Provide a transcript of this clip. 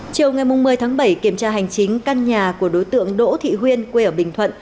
chiều ngày một mươi tháng bảy kiểm tra hành chính căn nhà của đối tượng đỗ thị huyên quê ở bình thuận